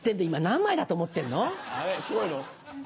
今何枚だと思ってんの？